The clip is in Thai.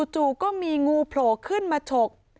จู่ก็มีงูโผล่ขึ้นมาฉก